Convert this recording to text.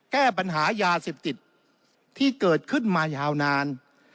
แก้ปัญหายาเสพติดที่เกิดขึ้นมายาวนาน